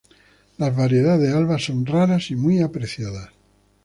Las variedades Alba son raras y muy apreciadas.